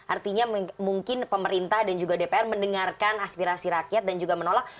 artinya mungkin pemerintah dan juga dpr mendengarkan aspirasi rakyat dan juga menolak